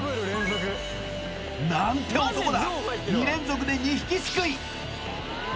何て男だ２連続で２匹すくい！